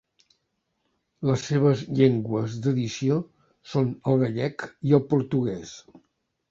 Les seves llengües d'edició són el gallec i el portuguès.